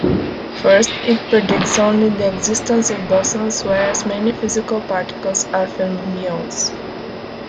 First, it predicts only the existence of bosons whereas many physical particles are fermions.